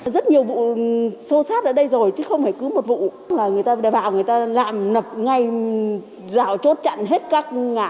rất nhiều vụ xô xát ở đây rồi chứ không phải cứ một vụ là người ta vào người ta làm nập ngay dạo chốt chặn hết các ngã